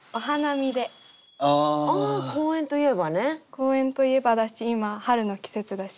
公園といえばだし今春の季節だし。